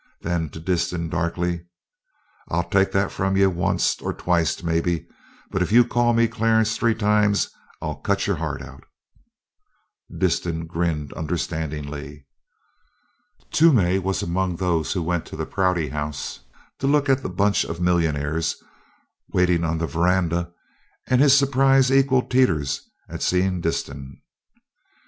Then to Disston, darkly: "I'll take that from you onct, or twict, maybe, but if you call me Clarence three times I'll cut your heart out." Disston grinned understandingly. Toomey was among those who went to the Prouty House to look at the "bunch of millionaires" waiting on the veranda, and his surprise equalled Teeters' at seeing Disston.